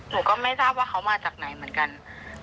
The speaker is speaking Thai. หนูก็ไม่ทราบว่าเขามาจากไหนเหมือนกัน